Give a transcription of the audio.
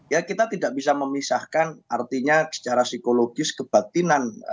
ya kita tidak bisa memisahkan artinya secara psikologis kebatinan